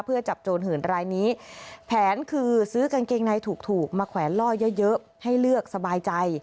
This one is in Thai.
เพื่อจับโจรหื่นรายนี้แผนคือซื้อกางเกงในถูกถูกมาแขวนล่อเยอะเยอะให้เลือกสบายใจ